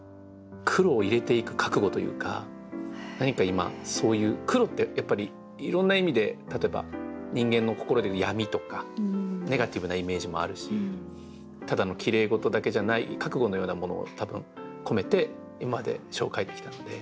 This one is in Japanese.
黒を入れていく覚悟というか何か今そういう黒ってやっぱりいろんな意味で例えば人間の心でいう闇とかネガティブなイメージもあるしただのきれい事だけじゃない覚悟のようなものを多分込めて今まで書を書いてきたので。